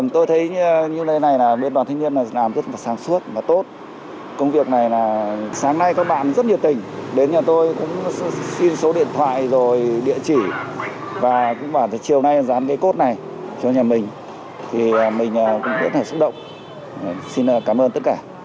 tôi thấy như thế này là biên đoàn thanh niên làm rất là sáng suốt và tốt